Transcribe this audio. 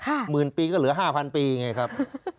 หมื่นปีก็เหลือ๕๐๐ปีไงครับ